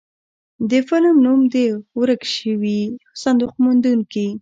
د فلم نوم و د ورک شوي صندوق موندونکي.